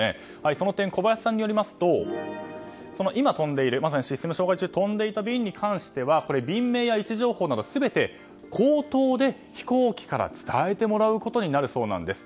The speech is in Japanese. その点、小林さんによりますとまさにシステム障害中に飛んでいた便に関しては便名や位置情報など全て口頭で飛行機から伝えてもらうことになるそうなんです。